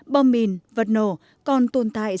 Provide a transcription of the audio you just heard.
bom mìn vật nổ còn tồn tại sản xuất của các tỉnh